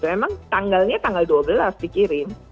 memang tanggalnya tanggal dua belas dikirim